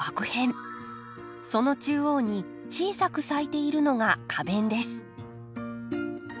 その中央に小さく咲いているのが花弁です。